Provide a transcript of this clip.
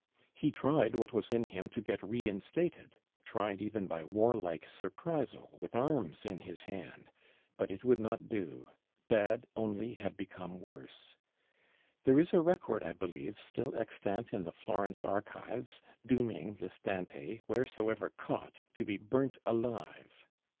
He tried what was in him to get reinstated; tried even by warlike surprisal, with arms in his hand: but it would not do; bad only had become worse. There is a record, I believe, still extant in the Florence Archives, dooming this Dante, wheresoever caught, to be burnt alive.